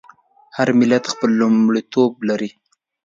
هر ملت خپل لومړیتوبونه لري.